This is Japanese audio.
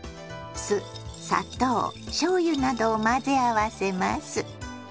酢砂糖しょうゆなどを混ぜ合わせます。